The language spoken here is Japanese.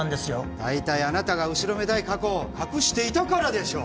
大体あなたが後ろめたい過去を隠していたからでしょう